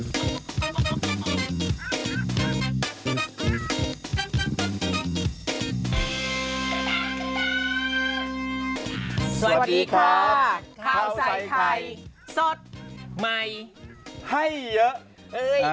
สวัสดีค่ะข้าวใส่ไข่สดใหม่ให้เยอะเฮ้ย